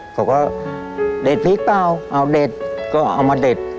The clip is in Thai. เขาก็เด็ดพริกเปล่าเอาเด็ดก็เอามาเด็ด